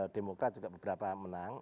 demokrat juga beberapa menang